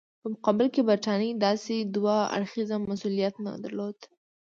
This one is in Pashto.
په مقابل کې برټانیې داسې دوه اړخیز مسولیت نه درلود.